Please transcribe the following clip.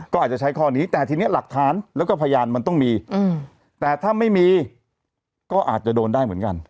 ก็อาจจะใช้ข้อนี้แต่ทีนี้หลักฐานแล้วก็พยานมันต้องมีแต่ถ้าไม่มีก็อาจจะโดนได้เหมือนกัน